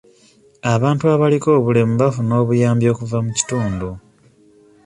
Abantu abaliko obulemu bafuna obuyambi okuva mu kitundu.